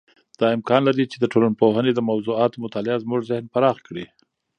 دا امکان لري چې د ټولنپوهنې د موضوعاتو مطالعه زموږ ذهن پراخ کړي.